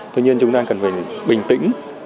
tuy nhiên chúng ta cần phải bình tĩnh